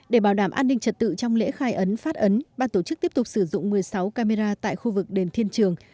để bảo đảm an ninh trật tự trong lễ khai ấn phát ấn ban tổ chức tiếp tục sử dụng một mươi sáu camera tại khu vực đền thiên trường